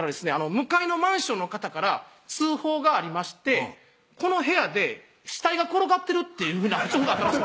「向かいのマンションの方から通報がありましてこの部屋で死体が転がってるというふうな通報があったんです」